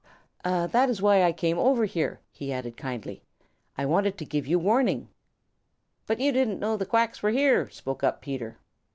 "That is why I came over here," he added kindly. "I wanted to give you warning." "But you didn't know the Quacks were here!" spoke up Peter.